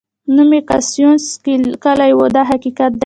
نوم یې کاسیوس کلي و دا حقیقت دی.